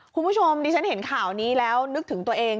คุณผู้ชมดิฉันเห็นข่าวนี้แล้วนึกถึงตัวเอง